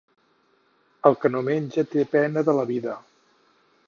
El que no menja té pena de la vida.